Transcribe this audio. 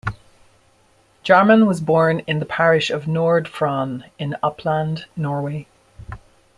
Jarmann was born in the parish of Nord-Fron in Oppland, Norway.